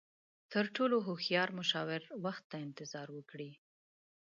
تر ټولو هوښیار مشاور، وخت ته انتظار وکړئ.